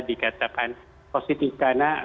dikatakan positif karena